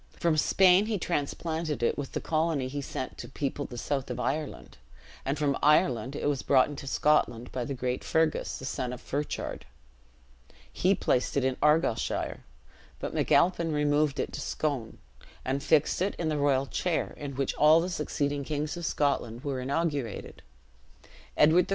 From Spain he transplanted it with the colony he sent to people the south of Ireland; and from Ireland it was brought into Scotland by the great Fergus, the son of Ferchard. He placed it in Argyleshire; but MacAlpine removed it to Scone, and fixed it in the royal chair in which all the succeeding kings of Scotland were inaugurated. Edward I.